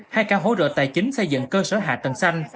hay cả hỗ trợ tài chính xây dựng cơ sở hạ tầng xanh